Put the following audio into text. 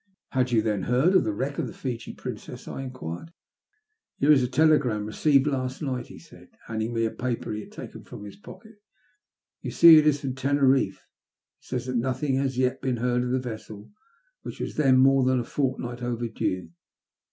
" Had you then heard of the wreck of the * Fiji Princeti ?'" I enquired. " Here is a telegram I received last night," he said, handing me a paper he had taken from his pocket. " Tou see it is from Teneriffe, and says that nothing has yet been heard of the vessel which was then more than a fortnight overdue.